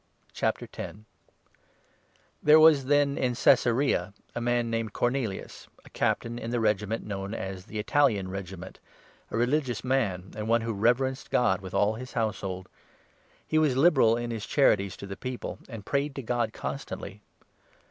Peter There was then in Caesarea a man named i and Cornelius, a Captain in the regiment known Cornelius. as tne ' Italian Regiment,' a religious man and 2 one who reverenced God, with all his household. He was liberal in his charities to the people, and prayed to God con stantly.